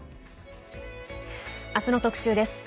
明日の特集です。